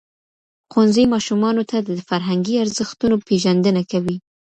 ښوونځی ماشومانو ته د فرهنګي ارزښتونو پېژندنه کوي.